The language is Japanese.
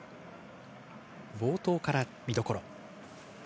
冒頭から見どころ。